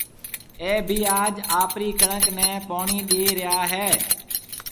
اَي ڀِي آج آپرِي ڪڻڪ نَي پوڻِي ڏيَ ريا هيَ۔